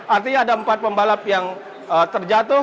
artinya ada empat pembalap yang terjatuh